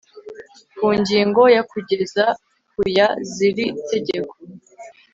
ku ngingo ya kugeza ku ya z iri tegeko